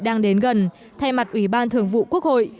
đang đến gần thay mặt ủy ban thường vụ quốc hội